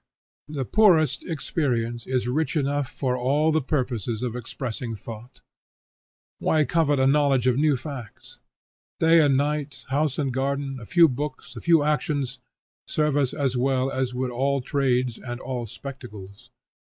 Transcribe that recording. The poorest experience is rich enough for all the purposes of expressing thought. Why covet a knowledge of new facts? Day and night, house and garden, a few books, a few actions, serve us as well as would all trades and all spectacles.